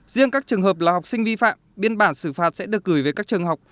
riêng các trường hợp là học sinh vi phạm biên bản xử phạt sẽ được gửi về các trường học